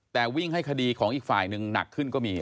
แต่วิ่งให้คดีของอีกฝ่ายหนึ่งหนักขึ้นก็มี